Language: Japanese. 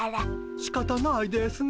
しかたないですね。